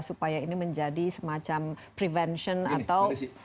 supaya ini menjadi semacam prevention atau